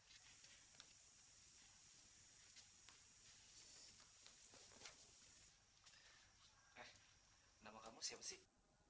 eh nama kamu siapa sih